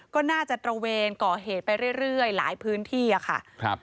ก็น่าจะตระเวนก่อเหตุไปเรื่อยหลายพื้นที่อะค่ะครับ